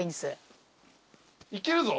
いけるぞ。